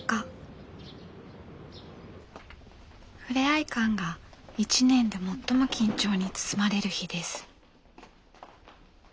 ふれあい館が一年で最も緊張に包まれる日です。